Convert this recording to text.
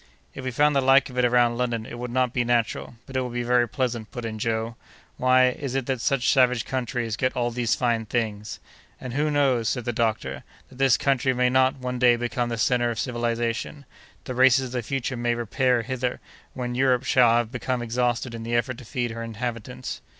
"If we found the like of it around London it would not be natural, but it would be very pleasant," put in Joe. "Why is it that such savage countries get all these fine things?" "And who knows," said the doctor, "that this country may not, one day, become the centre of civilization? The races of the future may repair hither, when Europe shall have become exhausted in the effort to feed her inhabitants."